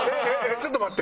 ちょっと待って！